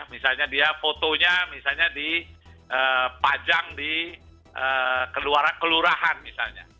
misalnya dia fotonya misalnya dipajang di kelurahan misalnya